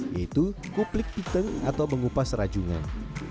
yaitu kuplik piteng atau mengupas rajungan